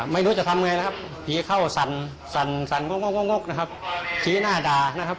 ไม่รู้จะทำไงนะครับผีเข้าสั่นสั่นงกงกนะครับชี้หน้าด่านะครับ